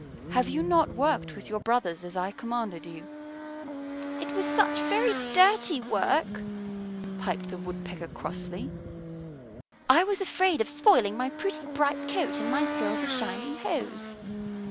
Have you not worked with your brothers as I commanded you?" "It was such very dirty work," piped the Woodpecker crossly; "I was afraid of spoiling my pretty bright coat and my silver shining hose."